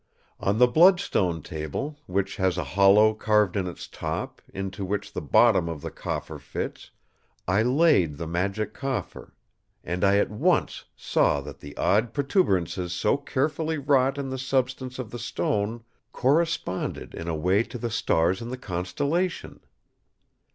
On the bloodstone table, which has a hollow carved in its top, into which the bottom of the coffer fits, I laid the Magic Coffer; and I at once saw that the odd protuberances so carefully wrought in the substance of the stone corresponded in a way to the stars in the constellation.